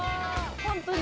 本当に。